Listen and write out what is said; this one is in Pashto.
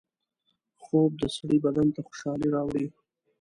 خوب د سړي بدن ته خوشحالۍ راوړي